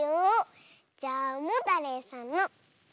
じゃあモタレイさんの「イ」。